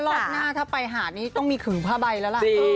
รอบหน้าถ้าไปหาดนี้ต้องมีขึงผ้าใบแล้วล่ะ